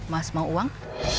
mas mau uang